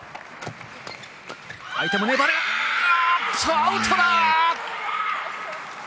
アウトだ！